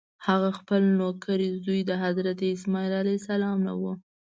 هغه خپل نوکرې زوی حضرت اسماعیل علیه السلام نه و.